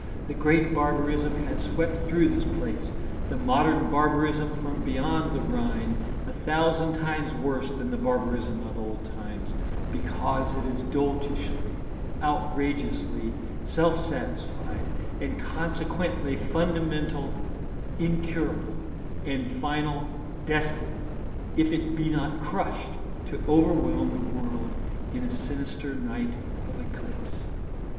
The great barbarism has swept through this place, the modern barbarism from beyond the Rhine, a thousand times worse than the barbarism of old times, because it is doltishly, outrageously self satisfied, and consequently fundamental, incurable, and final destined, if it be not crushed, to overwhelm the world in a sinister night of eclipse.